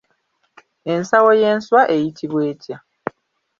Ensawo y'enswa eyitibwa etya?